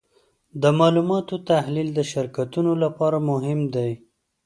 د معلوماتو تحلیل د شرکتونو لپاره مهم دی.